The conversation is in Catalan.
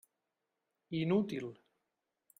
Inútil.